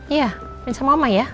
iya main sama oma ya